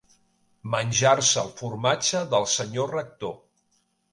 Menjar-se el formatge del senyor rector.